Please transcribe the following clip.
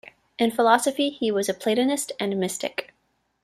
In philosophy he was a Platonist and mystic.